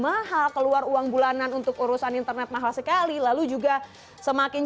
apa yang terjadi